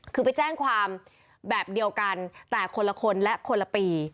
คือไปแจ้งความแบบเดียวกันแต่คนละคนและคนละปี